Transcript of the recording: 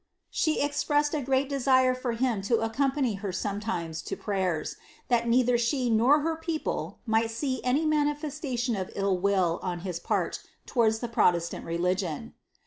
She expressed a great desire for him to accompany iier sometimes to prayers, that neither she nor her people roii^t see any manifestation of ill will on his part towards the protcstant religion.